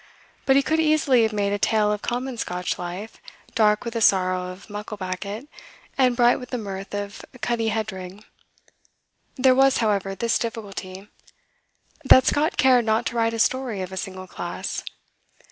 But he could easily have made a tale of common Scotch life, dark with the sorrow of Mucklebackit, and bright with the mirth of Cuddie Headrigg. There was, however, this difficulty, that Scott cared not to write a story of a single class.